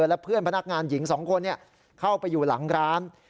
และเพื่อนพนักงานหญิง๒คนเข้าไปอยู่หลังร้าน